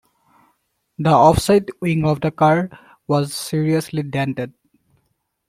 The offside wing of the car was seriously dented